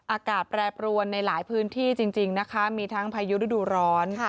อากาศแปรปรวนในหลายพื้นที่จริงนะคะมีทั้งพายุฤดูร้อน